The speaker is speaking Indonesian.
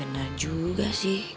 bener juga sih